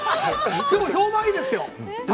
でも、評判いいですよ旅。